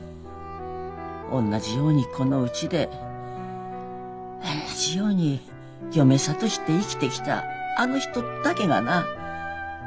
おんなじようにこのうちでおんなじように嫁さとして生きてきたあの人だけがな。